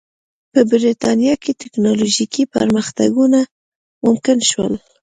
په برېټانیا کې ټکنالوژیکي پرمختګونه ممکن شول.